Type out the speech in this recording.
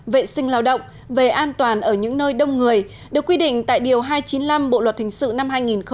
vệ sinh lao động về an toàn ở những nơi đông người được quy định tại điều hai trăm chín mươi năm bộ luật hình sự năm hai nghìn một mươi năm